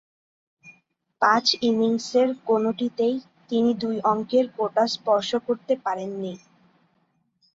পাঁচ ইনিংসের কোনটিতেই তিনি দুই অঙ্কের কোটা স্পর্শ করতে পারেননি।